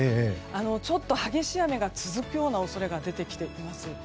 ちょっと激しい雨が続くような恐れが出てきています。